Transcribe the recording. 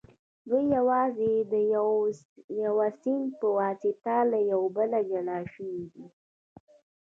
دوی یوازې د یوه سیند په واسطه له یو بله جلا شوي دي